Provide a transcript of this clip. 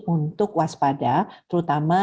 untuk waspada terutama